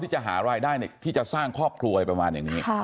จะหารายได้ที่จะสร้างครอบครัวอะไรประมาณอย่างนี้